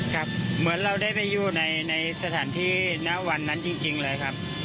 ครับเมื่อเราได้จะไปอยู่ในระหว่างละนั้นจริงเลยครับ